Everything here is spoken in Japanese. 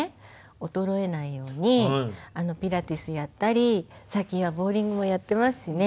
衰えないようにピラティスやったり最近はボウリングもやってますしね。